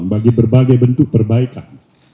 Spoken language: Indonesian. bagi berbagai bentuk perbaikan